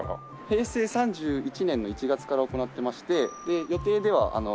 平成３１年の１月から行ってまして予定では令和の６年の末。